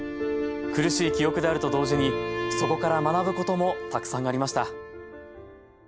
苦しい記憶であると同時にそこから学ぶこともたくさんありました。